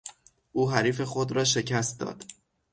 او حریف خود را شکست داد.